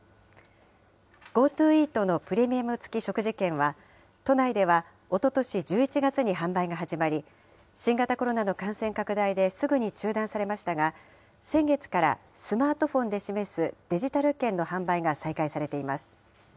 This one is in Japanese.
ＧｏＴｏイートのプレミアム付き食事券は、都内ではおととし１１月に販売が始まり、新型コロナの感染拡大ですぐに中断されましたが、先月からスマートフォンで示すデジタル券の販売が再開されています。